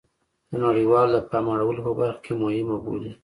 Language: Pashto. د نړیواله د پام اړولو په برخه کې مهمه بولي